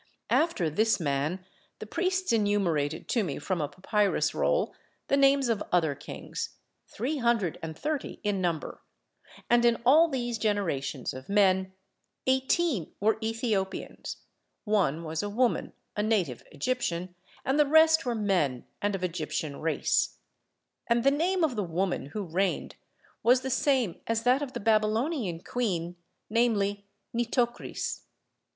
After this man the priests enumerated to me from a papyrus roll the names of other kings, three hundred and thirty in number; and in all these generations of men eighteen were Ethiopians, one was a woman, a native Egyptian, and the rest were men and of Egyptian race: and the name of the woman who reigned was the same as that of the Babylonian queen, namely Nitocris.